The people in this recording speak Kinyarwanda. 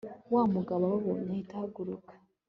wamugabo ababonye ahita ahaguruka